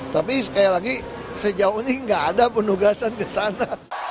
tapi sekali lagi sejauh ini nggak ada penugasan ke sana